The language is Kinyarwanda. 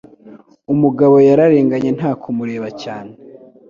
Umugabo yararenganye nta kumureba cyane.